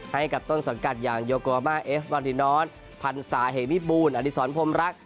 ให้กับต้นส่วนกัดอย่างโยโกวามาเอฟมอนดินอลพันศาเหมียบูลอดิษรพรมรัก